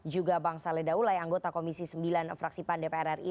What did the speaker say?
juga bang saleh daulay anggota komisi sembilan fraksi pan dpr ri